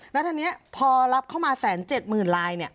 แล้วทีนี้พอรับเข้ามา๑๗๐๐๐ลาย